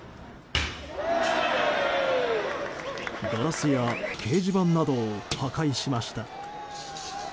ガラスや掲示板などを破壊しました。